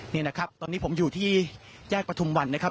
นี่นะครับตอนนี้ผมอยู่ที่แยกประทุมวันนะครับ